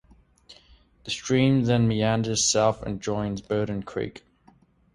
The stream then meanders south and joins Burden Creek.